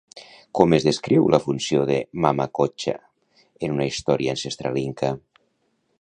Com es descriu la funció de Mama Cocha en una història ancestral inca?